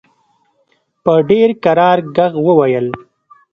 په ډېر کرار ږغ وویل.